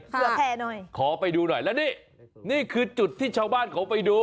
เผื่อแผ่หน่อยขอไปดูหน่อยแล้วนี่นี่คือจุดที่ชาวบ้านเขาไปดู